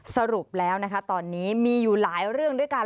สรุปแล้วนะคะตอนนี้มีอยู่หลายเรื่องด้วยกัน